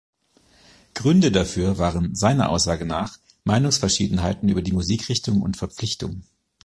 Gründe dafür waren seiner Aussage nach Meinungsverschiedenheiten über die Musikrichtung und Verpflichtung.